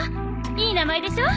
いい名前でしょ。